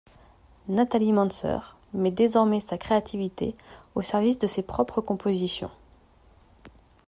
Nathalie Manser met désormais sa créativité au service de ses propres compositions.